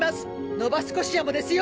ノバスコシアもですよ。